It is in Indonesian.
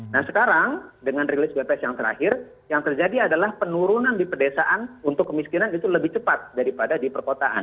nah sekarang dengan rilis bps yang terakhir yang terjadi adalah penurunan di pedesaan untuk kemiskinan itu lebih cepat daripada di perkotaan